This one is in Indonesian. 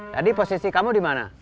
tadi posisi kamu di mana